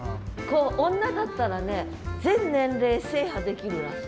女だったらね全年齢制覇できるらしい。